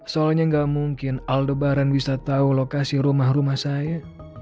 soalnya nggak mungkin aldobaran bisa tahu lokasi rumah rumah saya